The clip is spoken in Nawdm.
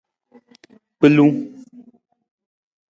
Gbelung.